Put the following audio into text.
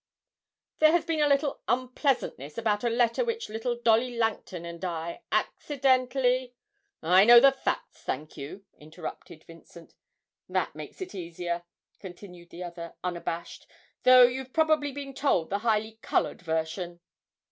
'There has been a little unpleasantness about a letter which little Dolly Langton and I accidentally ' 'I know the facts, thank you,' interrupted Vincent. 'That makes it easier,' continued the other, unabashed, 'though you've probably been told the highly coloured version.'